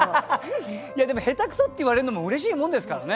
でも下手くそって言われるのもうれしいもんですからね。